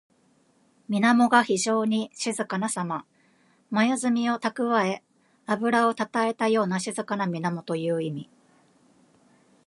水面が非情に静かなさま。まゆずみをたくわえ、あぶらをたたえたような静かな水面という意味。